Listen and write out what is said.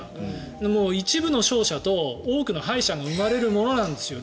一部の勝者と多くの敗者が生まれるものなんですよ